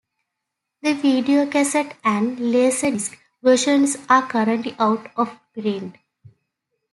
The videocassette and laserdisc versions are currently out-of-print.